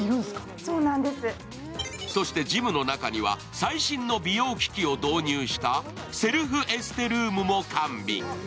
そしてジムの中には最新の美容機器を導入したセルフエステルームも完備。